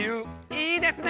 いいですね！